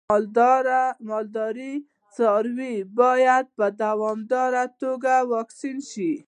د مالدارۍ څاروی باید په دوامداره توګه واکسین شي.